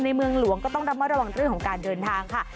เมืองหลวงก็ต้องระมัดระวังเรื่องของการเดินทางค่ะ